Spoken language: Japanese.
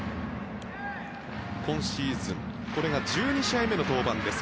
今シーズンこれが１２試合目の登板です。